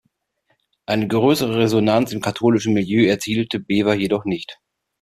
Eine größere Resonanz im katholischen Milieu erzielte Bewer jedoch nicht.